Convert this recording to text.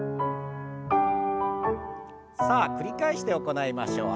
さあ繰り返して行いましょう。